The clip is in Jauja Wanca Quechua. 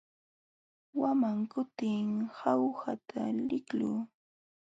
Wamaq kutim Jaujata liqluu.